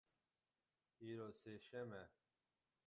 Îro sêşem e.